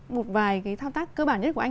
một vài cái thao tác cơ bản nhất của anh